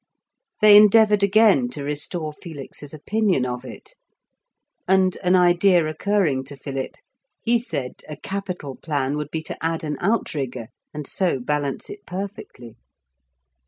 They endeavoured again to restore Felix's opinion of it, and an idea occurring to Philip, he said a capital plan would be to add an outrigger, and so balance it perfectly.